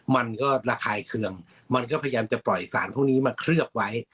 มันก็ระคายเคืองมันก็พยายามจะปล่อยสารพวกนี้มาเคลือบไว้